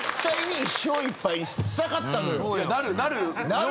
なる。